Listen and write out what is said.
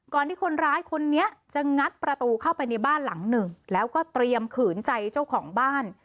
ที่คนร้ายคนนี้จะงัดประตูเข้าไปในบ้านหลังหนึ่งแล้วก็เตรียมขืนใจเจ้าของบ้าน